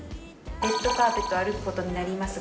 レッドカーペット歩くことになりますが。